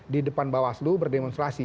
di depan bawah selu berdemonstrasi